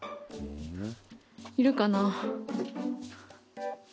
いるかな。